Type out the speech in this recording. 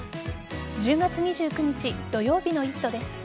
１０月２９日土曜日の「イット！」です。